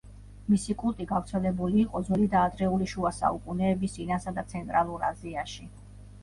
მისი კულტი გავრცელებული იყო ძველი და ადრეული შუა საუკუნეების ირანსა და ცენტრალური აზიაში.